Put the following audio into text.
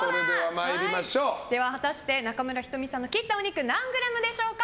では、果たして中村仁美さんの切ったお肉何グラムでしょうか。